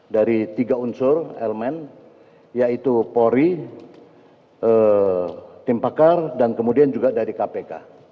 dari tiga unsur elemen yaitu polri tim pakar dan kemudian juga dari kpk